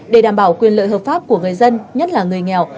để đảm bảo quyền lợi hợp pháp của người dân nhất là người nghèo